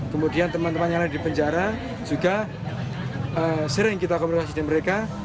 kemudian teman teman yang lain di penjara juga sering kita komunikasi dengan mereka